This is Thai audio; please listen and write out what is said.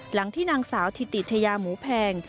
หลังที่นางสาวถิติชายาหมูแพง